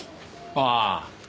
ああ。